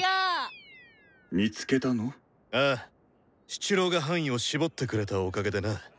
シチロウが範囲を絞ってくれたおかげでな。